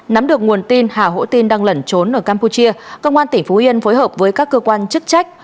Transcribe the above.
nắm được nguồn tin hà hỗ tin đang lẩn trốn ở campuchia công an tỉnh phú yên phối hợp với các cơ quan chức trách